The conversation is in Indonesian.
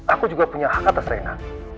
aku juga punya hak atas renat